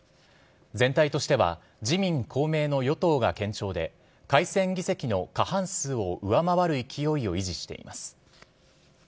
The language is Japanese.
全体としては、自民、公明の与党が堅調で、改選議席の過半数を上回る勢いを維持しています。